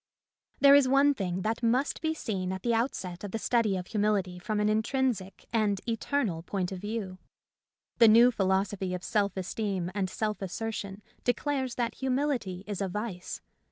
There is one thing that must be seen at the outset of the, study of humility from an intrinsic and eternal point of view. The new philosophy of self esteem and self assertion declares that humility is a vice.